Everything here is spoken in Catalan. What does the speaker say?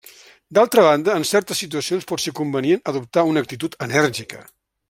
D'altra banda, en certes situacions pot ser convenient adoptar una actitud enèrgica.